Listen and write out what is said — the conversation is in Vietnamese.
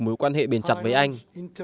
mối quan hệ biên chặt với anh